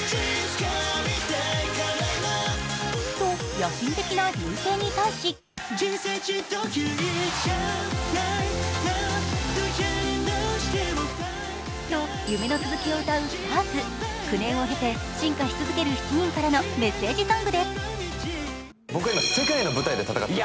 野心的な「Ｒ．Ｙ．Ｕ．Ｓ．Ｅ．Ｉ．」に対しと、夢の続きを歌う「ＳＴＡＲＳ」９年を経て進化し続ける７人からのメッセージソングです。